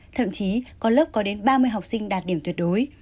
thậm chí có lớp có đến ba mươi học sinh đạt điểm tuyệt đối